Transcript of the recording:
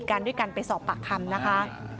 ยังในเหตุด้วยกันไปสอบปากคำนะคะ